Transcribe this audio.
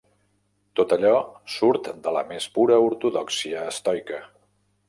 Tot allò surt de la més pura ortodòxia estoica.